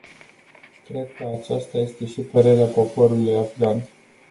Cred că aceasta este și părerea poporului afgan.